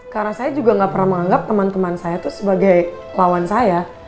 karena saya juga gak pernah menganggap teman teman saya itu sebagai lawan saya